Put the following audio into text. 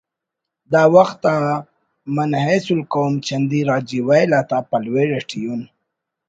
داوخت آ من حیث القوم چندی راجی ویل آتا پلویڑ اٹی اُن